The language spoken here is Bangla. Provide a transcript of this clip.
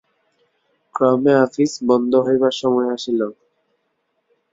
ক্রমে আপিস বন্ধ হইবার সময় আসিল।